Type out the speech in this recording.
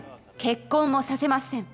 「結婚もさせません」